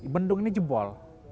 bendung ini jebol